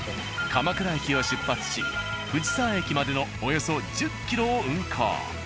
鎌倉駅を出発し藤沢駅までのおよそ１０ｋｍを運行。